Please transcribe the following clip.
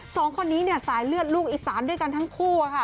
สองคนนี้เนี่ยสายเลือดลูกอีสานด้วยกันทั้งคู่ค่ะ